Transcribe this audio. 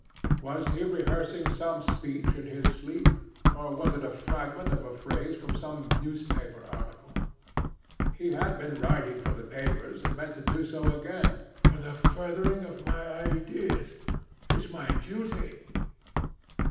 Was he rehearsing some speech in his sleep, or was it a fragment of a phrase from some newspaper article? He had been writing for the papers and meant to do so again, 'for the furthering of my ideas. It's a duty.'